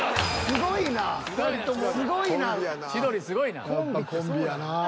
すごいな。